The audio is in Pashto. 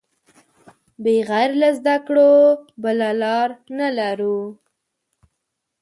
بغیر له زده کړو بله لار نه لرو.